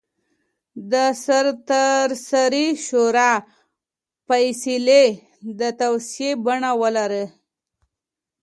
د سرتاسري شورا فیصلې د توصیې بڼه ولري.